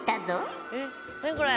何これ？